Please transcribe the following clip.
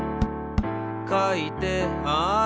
「かいてある」